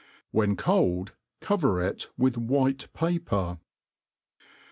When cold, cover it with while paper?